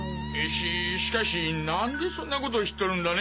ししかし何でそんなことを知っとるんだね？